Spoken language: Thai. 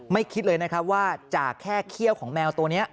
คิดเลยนะครับว่าจากแค่เขี้ยวของแมวตัวนี้